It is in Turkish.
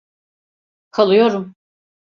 Kalıyorum.